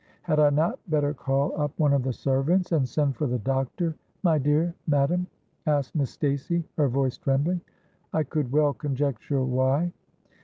'—'Had I not better call up one of the servants and send for the doctor, my dear madam?' asked Miss Stacey, her voice trembling; I could well conjecture why.